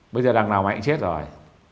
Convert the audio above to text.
bây giờ đằng nào mày cũng chết rồi